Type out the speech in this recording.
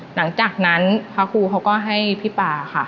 หลังจากนั้นพระครูเขาก็ให้พี่ป่าค่ะ